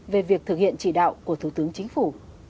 về việc thực hiện chỉ đạo của thủ tướng chính phủ